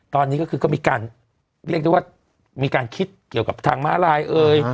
ตอนนี้ก็คือก็มีการเรียกได้ว่ามีการคิดเกี่ยวกับทางม้าลายเอ่ย